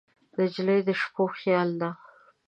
نجلۍ د شپو خیال ده.